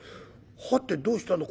「はてどうしたんだ？